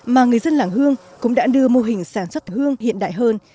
mà người dân làng hương cũng đã đưa mô hình sản xuất hương hiện đại hơn